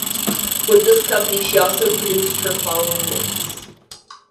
With this company she also produced her following works.